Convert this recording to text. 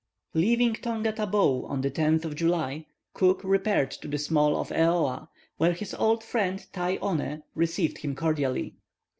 '" Leaving Tonga Tabou on the 10th of July, Cook repaired to the small of Eoa, where his old friend Tai One received him cordially.